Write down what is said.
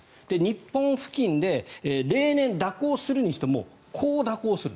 日本付近で例年蛇行するにしてもこう蛇行する。